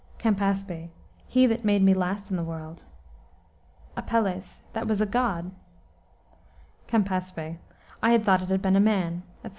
"Camp. He that made me last in the world. "Apel. That was a God. "Camp. I had thought it had been a man," etc.